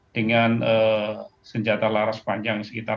dengan senjata laras panjang sekitar